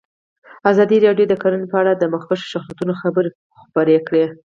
ازادي راډیو د کرهنه په اړه د مخکښو شخصیتونو خبرې خپرې کړي.